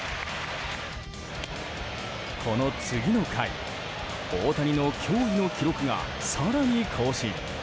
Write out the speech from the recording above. この次の回、大谷の驚異の記録が更に更新。